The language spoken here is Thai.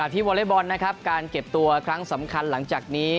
วอเล็กบอลนะครับการเก็บตัวครั้งสำคัญหลังจากนี้